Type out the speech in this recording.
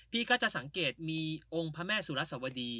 พี่ก็จะสังเกตมีองค์พระแม่สุรสวดี